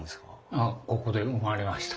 ああここで生まれました。